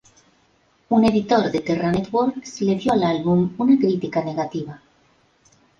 Un editor de Terra Networks le dio al álbum una crítica negativa.